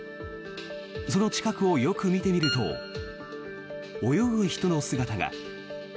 その近くをよく見てみると泳ぐ人の姿が。